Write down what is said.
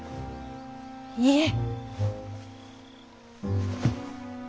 いいえ。